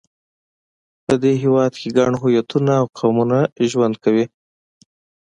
په دې هېواد کې ګڼ هویتونه او قومونه ژوند کوي.